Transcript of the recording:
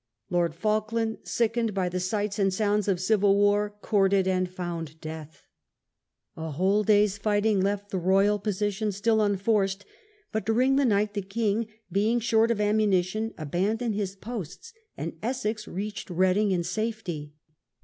Lord Falkland, sickened by the sights and sounds of civil war, courted and found death. A whole day's fighting left the Royal position still unforced; but during the night the king, being short of ammunition, abandoned his posts, and Essex reached Reading in safety.